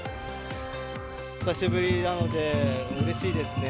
久しぶりなのでうれしいですね。